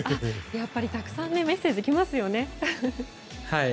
やっぱりたくさんメッセージがきますよね。